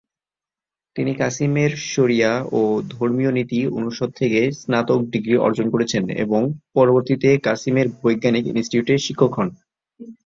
তিনি কাসিমের শরিয়া ও ধর্মীয় নীতি অনুষদ থেকে স্নাতক ডিগ্রি অর্জন করেছেন এবং পরবর্তীতে কাসিমের বৈজ্ঞানিক ইনস্টিটিউটে শিক্ষক হন।